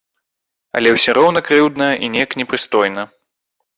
Але ўсе роўна крыўдна і неяк непрыстойна.